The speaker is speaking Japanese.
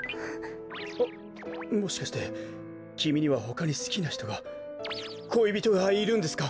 あっもしかしてきみにはほかにすきなひとがこいびとがいるんですか？